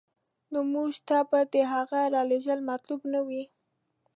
نو موږ ته به د هغه رالېږل مطلوب نه وي.